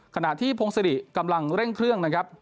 ขณะที่พงศิริกำลังเร่งเครื่องนะครับ